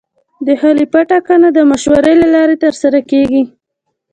د خلیفه ټاکنه د مشورې له لارې ترسره کېږي.